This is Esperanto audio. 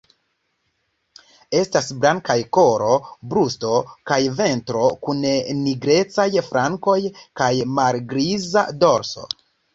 Estas blankaj kolo, brusto kaj ventro kun nigrecaj flankoj kaj malhelgriza dorso.